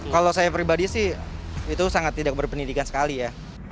kalau saya pribadi sih itu sangat tidak berpendidikan sekali ya